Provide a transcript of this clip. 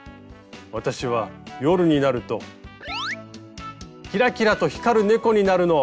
私は夜になるとキラキラと光る猫になるの。